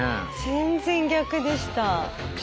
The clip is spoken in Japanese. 全然逆でした。